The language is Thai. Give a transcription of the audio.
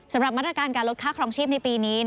สำหรับมาตรการการลดค่าครองชีพในปีนี้